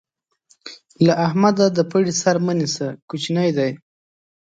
له احمده د پړي سر مه نيسه؛ کوشنی دی.